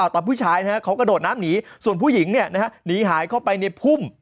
ผู้ชายเขากระโดดน้ำหนีส่วนผู้หญิงหนีหายเข้าไปในพุ่ม